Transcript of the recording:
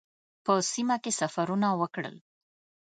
په سیمه کې سفرونه وکړل.